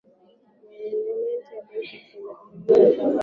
menejimenti ya benki kuu inaundwa na gavana